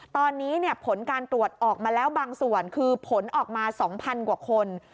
ตอนนี้ผลการตรวจออกมาแล้วบางส่วนคือผลออกมา๒๐๐กว่าคน